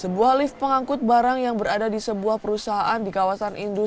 sebuah lift pengangkut barang yang berada di sebuah perusahaan di kawasan industri